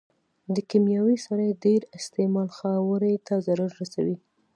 د کيمياوي سرې ډېر استعمال خاورې ته ضرر رسوي.